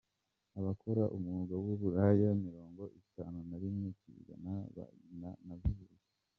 Abakora umwuga w’uburaya mirongo itanu na rimwe kwijana babana na virusi